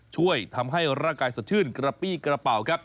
ช่วยทำให้ร่างกายสดชื่นกระปี้กระเป๋าครับ